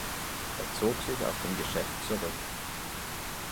Er zog sich aus dem Geschäft zurück.